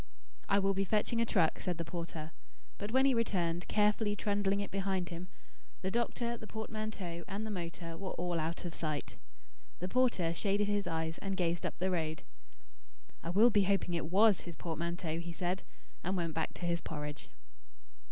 "I will be fetching a truck," said the porter. But when he returned, carefully trundling it behind him, the doctor, the portmanteau, and the motor were all out of sight. The porter shaded his eyes and gazed up the road. "I will be hoping it WAS his portmanteau," he said, and went back to his porridge.